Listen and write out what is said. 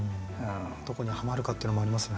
どこにはまるかっていうのもありますよね。